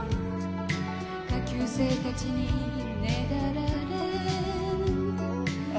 下級生たちにねだられ